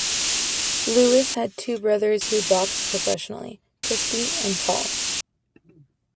Lewis had two brothers who boxed professionally; Christy and Paul.